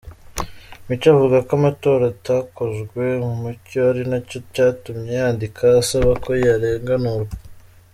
Mico avuga ko amatora atakozwe mu mucyo ari nacyo cyatumye yandika asaba ko yarenganurwa.